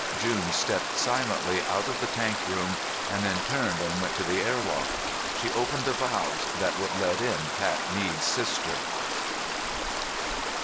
June stepped silently out of the tank room, and then turned and went to the airlock. She opened the valves that would let in Pat Mead's sister.